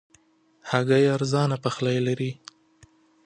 هګۍ ارزانه پخلی لري.